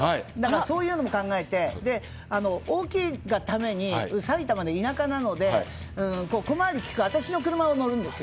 そういうのも考えて大きいがために埼玉の田舎なので小回りきく私の車を乗るんですよ。